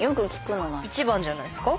１番じゃないですか？